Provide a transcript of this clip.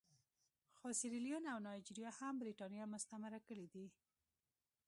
خو سیریلیون او نایجیریا هم برېټانیا مستعمره کړي دي.